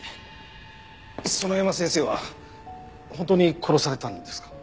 園山先生は本当に殺されたんですか？